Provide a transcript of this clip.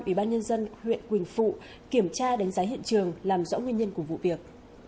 ủy ban nhân dân huyện quỳnh phụ kiểm tra đánh giá hiện trường làm rõ nguyên nhân của vụ việc